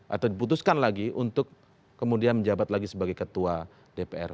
atau diputuskan lagi untuk kemudian menjabat lagi sebagai ketua dpr